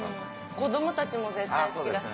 子供たちも絶対好きだし。